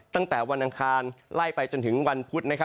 ตั้งแต่วันอังคารไล่ไปจนถึงวันพุธ